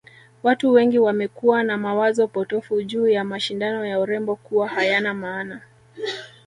Watu wengi wamekuwa na mawazo potofu juu ya mashindano ya urembo kuwa hayana maana